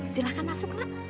silahkan masuk nak